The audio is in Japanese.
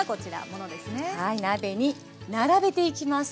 鍋に並べていきます。